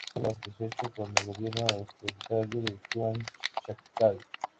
Pronto renunció porque no estaba satisfecho con el gobierno autoritario de Yuan Shikai.